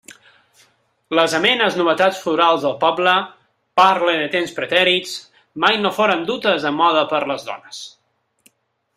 Les amenes novetats florals del poble —parle de temps pretèrits— mai no foren dutes a moda per les dones.